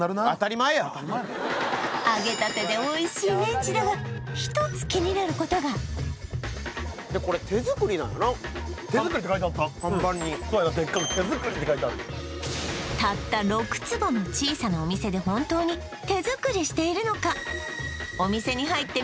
揚げたてでおいしいメンチだが１つ気になることが手作りって書いてあった看板にそうやなデッカく「手作り」って書いてあるたった６坪の小さなお店で本当に手作りしているのか？